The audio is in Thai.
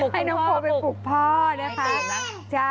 ให้น้องโพลไปปลุกพ่อนะคะ